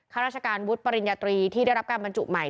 ข้าราชการวุฒิปริญญาตรีที่ได้รับการบรรจุใหม่